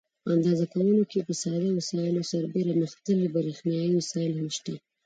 په اندازه کولو کې پر ساده وسایلو سربیره پرمختللي برېښنایي وسایل هم شته.